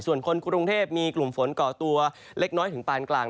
ส่วนคนกรุงเทพมีกลุ่มฝนก่อตัวเล็กน้อยถึงปานกลาง